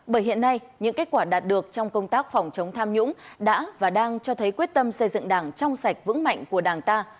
bởi hiện nay những kết quả đạt được trong công tác phòng chống tham nhũng đã và đang cho thấy quyết tâm xây dựng đảng trong sạch vững mạnh của đảng ta